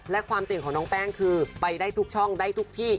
และความเจ๋งของน้องแป้งคือไปได้ทุกช่องได้ทุกที่